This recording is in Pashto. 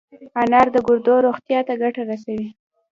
انار د ګردو روغتیا ته ګټه رسوي.